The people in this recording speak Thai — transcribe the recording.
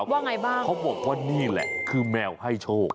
ว่าไงบ้างเขาบอกว่านี่แหละคือแมวให้โชค